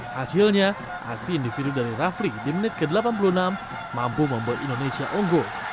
hasilnya aksi individu dari rafli di menit ke delapan puluh enam mampu membuat indonesia unggul